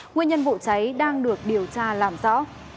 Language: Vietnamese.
nguyên nhân vụ cháy đang được điều tra làm rõ